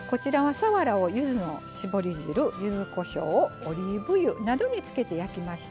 さわらをゆずの搾り汁ゆずこしょうオリーブ油などに漬けて焼きました。